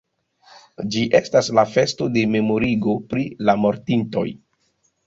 Ĝi estas la festo de memorigo pri la mortintoj.